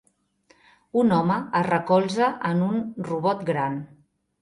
Un home es recolza en un robot gran.